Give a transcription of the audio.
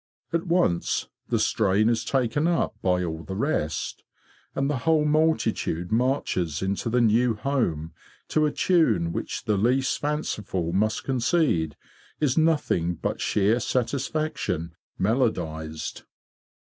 At once the strain is taken up by all the rest, and the whole multitude marches into the new home to a tune which the least fanciful must concede is nothing but sheer satisfaction melodised.